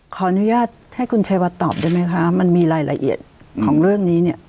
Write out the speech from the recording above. ขออนุญาตให้คุณชัยวัดตอบได้ไหมคะมันมีรายละเอียดของเรื่องนี้เนี่ย